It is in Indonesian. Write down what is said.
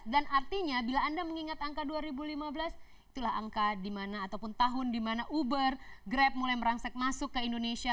dan artinya bila anda mengingat angka dua ribu lima belas itulah angka di mana ataupun tahun di mana uber grab mulai merangsak masuk ke indonesia